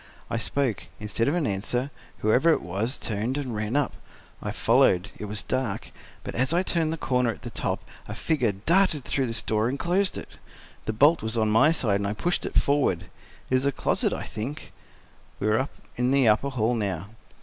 I spoke; instead of an answer, whoever it was turned and ran up. I followed—it was dark—but as I turned the corner at the top a figure darted through this door and closed it. The bolt was on my side, and I pushed it forward. It is a closet, I think." We were in the upper hall now.